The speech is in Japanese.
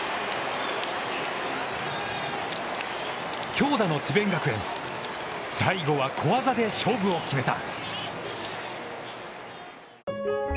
強打の智弁学園、最後は小技で勝負を決めた。